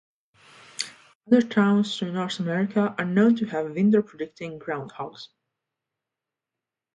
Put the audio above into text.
Other towns throughout North America are known to have winter-predicting groundhogs.